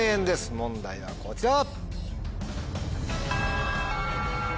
問題はこちら。